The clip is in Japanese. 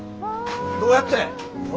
どうやって？